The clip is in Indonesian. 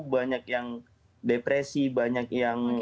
banyak yang depresi banyak yang nggak percaya